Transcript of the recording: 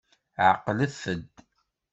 Ɛeqlet-d.